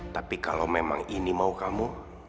tapi kalau memang ini mau kamu